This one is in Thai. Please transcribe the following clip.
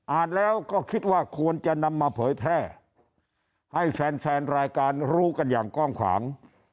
อ่านแล้วก็คิดว่าควรจะนำมาเผยแพร่ให้แฟนแฟนรายการรู้กันอย่างกว้างขวาง